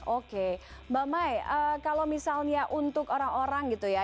oke mbak mai kalau misalnya untuk orang orang gitu ya